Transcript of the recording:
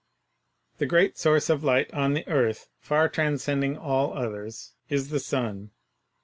The great source of light on the earth — far transcending all others — is the sun.